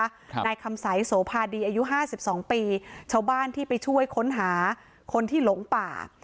นายคำสัยโสภาดีอายุห้าสิบสองปีชาวบ้านที่ไปช่วยค้นหาคนที่หลงป่า